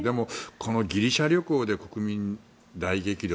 ギリシャ旅行で国民大激怒。